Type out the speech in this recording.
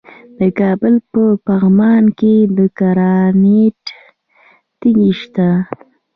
د کابل په پغمان کې د ګرانیټ تیږې شته.